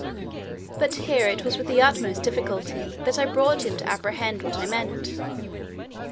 But here it was with the utmost difficulty that I brought him to apprehend what I meant.